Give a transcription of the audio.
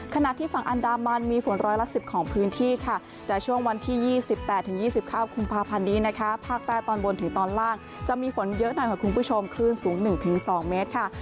ขณะที่ฝั่งอันดามันมีฝนร้อยละ๑๐ของพื้นที่ค่ะแต่ช่วงวันที่๒๘๒๙กุมภาพันธ์นี้นะคะภาคใต้ตอนบนถึงตอนล่างจะมีฝนเยอะหน่อยค่ะคุณผู้ชมคลื่นสูง๑๒เมตรค่ะ